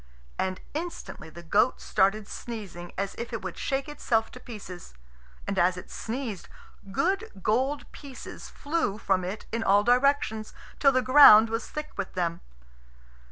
And instantly the goat started sneezing as if it would shake itself to pieces. And as it sneezed, good gold pieces flew from it in all directions, till the ground was thick with them.